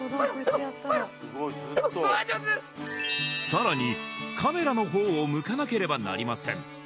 さらにカメラの方を向かなければなりません